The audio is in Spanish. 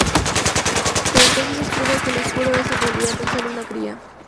Pero entonces descubre que el Oscuro es en realidad tan solo una cría.